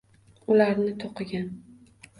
Ularni to’qigan